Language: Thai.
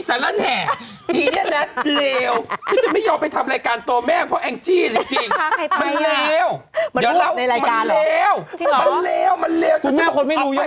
เพราะว่าแองจี้สำหรับแหน่